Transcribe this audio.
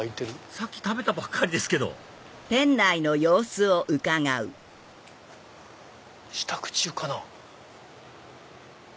さっき食べたばっかりですけど支度中かな？